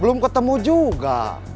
belum ketemu juga